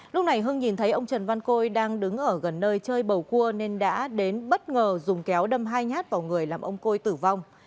lúc này hưng nhìn thấy ông trần văn côi đang đứng ở gần nơi chơi bầu cua nên đã đến bất ngờ dùng kéo đâm hai nhát vào người làm ông côi tử vong